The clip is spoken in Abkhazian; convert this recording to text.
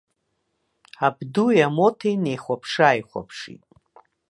Абдуи амоҭеи неихәаԥшы-ааихәаԥшит.